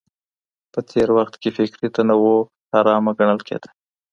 په تېر وخت کي فکري تنوع حرامه ګڼل کېده.